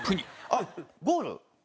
あっゴール。